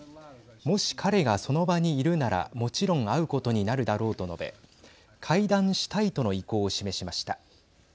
もし彼が、その場にいるならもちろん会うことになるだろうと述べ会談したいとの意向を示しました。